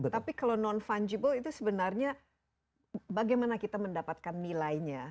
tapi kalau non fungible itu sebenarnya bagaimana kita mendapatkan nilainya